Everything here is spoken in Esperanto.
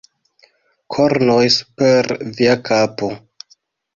Kornoj super via kapo!